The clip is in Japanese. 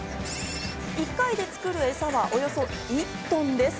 １回で作るエサはおよそ１トンです。